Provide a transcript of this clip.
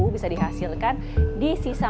bisa dihasilkan di sisa